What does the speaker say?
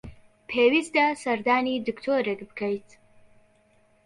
پێویستە سەردانی دکتۆرێک بکەیت.